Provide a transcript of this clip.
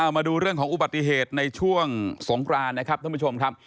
มาดูเรื่องของอุบัติเหตุในช่วงสงกรานนะครับท่านผู้ชมครับ